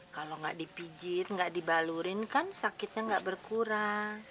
kalau gak dipijit gak dibalurin kan sakitnya gak berkurang